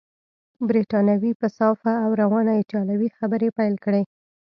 بریتانوي په صافه او روانه ایټالوې خبرې پیل کړې.